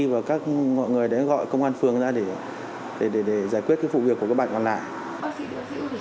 và các người đấy gọi công an phường ra để giải quyết phụ việc của các bạn còn lại